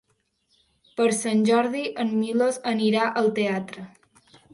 Per Sant Jordi en Milos anirà al teatre.